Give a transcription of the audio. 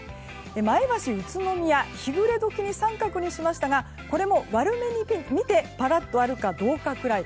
前橋、宇都宮日暮れ時に△にしましたがこれも悪目に見てぱらっと降るくらい。